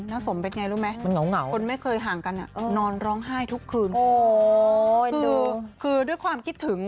น้าสมเป็นอย่างไรรู้ไหมคนไม่เคยห่างกันนอนร้องไห้ทุกคืนคือด้วยความคิดถึง